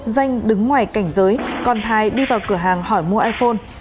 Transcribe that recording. danh đứng ngoài cảnh giới còn thái đi vào cửa hàng hỏi mua iphone